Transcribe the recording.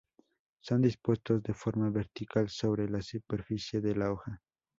Son dispuestos de forma vertical sobre la superficie de la hoja.